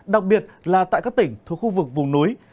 đặc biệt là tại các tỉnh thuộc khu vực vùng núi